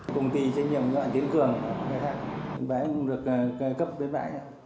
công ty trên nhiều loại tiếng cường bãi cũng được cấp với bãi